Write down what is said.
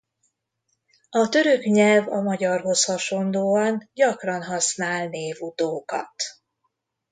A török nyelv a magyarhoz hasonlóan gyakran használ névutókat.